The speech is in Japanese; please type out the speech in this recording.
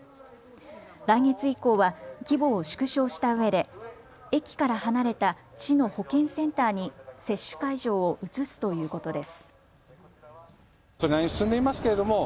来月以降は規模を縮小したうえで駅から離れた市の保健センターに接種会場を移すということです。